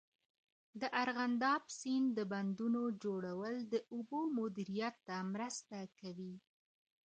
د ارغنداب سیند د بندونو جوړول د اوبو مدیریت ته مرسته کوي.